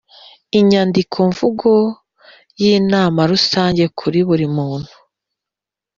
Inyandikomvugo y inama Rusange kuri buri muntu